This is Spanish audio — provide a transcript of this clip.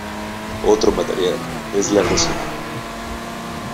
Otro material es la resina.